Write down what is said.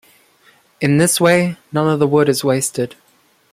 In this way, none of the wood is wasted.